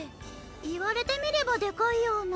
いわれてみればでかいような。